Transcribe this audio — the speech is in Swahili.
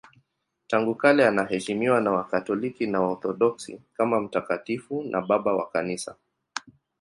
Tangu kale anaheshimiwa na Wakatoliki na Waorthodoksi kama mtakatifu na Baba wa Kanisa.